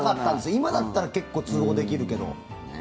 今だったら結構通報できるけど。